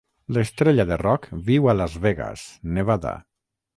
L'estrella de rock viu a Las Vegas, Nevada.